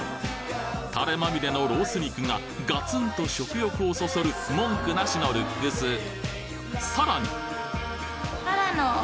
タレまみれのロース肉がガツンと食欲をそそる文句なしのルックスさらに！